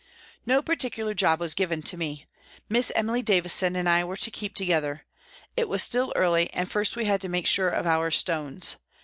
No particular job was given to me. Miss Emily Davison and I were to keep together. It was still early, and first we had to make sure of our stones.